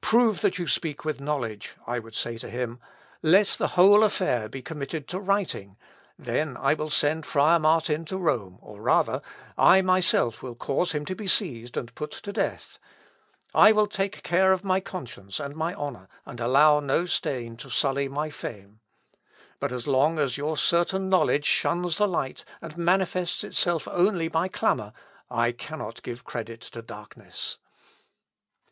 "Prove that you speak with knowledge," I would say to him; "let the whole affair be committed to writing; then I will send Friar Martin to Rome, or rather, I myself will cause him to be seized and put to death. I will take care of my conscience and my honour, and allow no stain to sully my fame. But as long as your certain knowledge shuns the light, and manifests itself only by clamour, I cannot give credit to darkness.